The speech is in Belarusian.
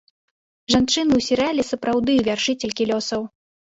Жанчыны ў серыяле сапраўды вяршыцелькі лёсаў.